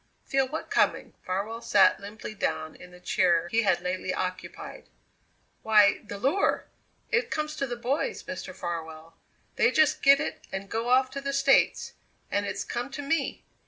"Feel what coming?" Farwell sat limply down in the chair he had lately occupied. "Why, the lure. It comes to the boys, Mr. Farwell. They just get it and go off to the States, and it's come to me!